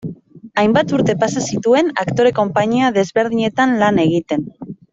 Hainbat urte pasa zituen aktore konpainia desberdinetan lan egiten.